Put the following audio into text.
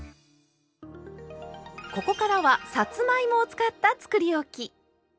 ここからはさつまいもを使ったつくりおき！